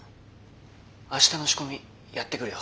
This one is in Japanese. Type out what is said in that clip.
あしたの仕込みやってくるよ。